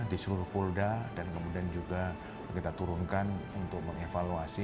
di seluruh polda dan kemudian juga kita turunkan untuk mengevaluasi